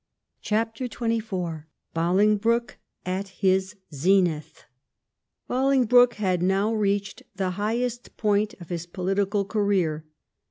CHAPTER XXIV BOLINGBROKE AT HIS ZENITH BoLiNGBROKE had now reached the highest point of his poHtical career.